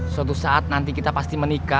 suatu saat nanti kita pasti menikah